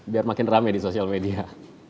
biar makin rame di sosial media